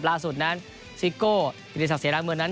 ล่าสุดนั้นซิโกที่ได้ศักดิ์เสียร้านเมือนั้น